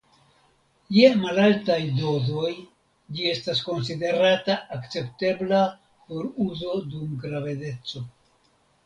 Je malaltaj dozoj ĝi estas konsiderata akceptebla por uzo dum gravedeco.